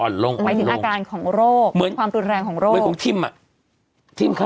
หมายถึงอาการของโรคความตูนแรงของโรค